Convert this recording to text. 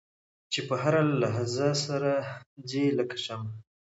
چې په هره لحظه سر ځي لکه شمع.